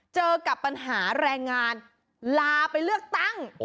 เจอกับปัญหาแรงงานลาไปเลือกตั้ง